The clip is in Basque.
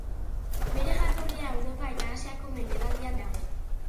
Bere jatorria Europa eta Asiako mendebaldean dago.